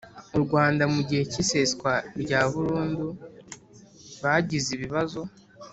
u rwanda mu gihe cy iseswa rya burundu bagize ibibazo